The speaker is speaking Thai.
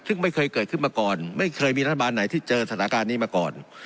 ซึ่งไม่เคยเกิดขึ้นมาก่อนไม่เคยมีรัฐบาลไหนที่เจอสถานการณ์นี้มาก่อน